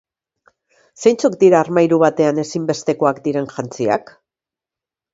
Zeintzuk dira armairu batean ezinbestekoak diren jantziak?